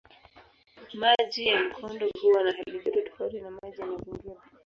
Maji ya mkondo huwa na halijoto tofauti na maji ya mazingira.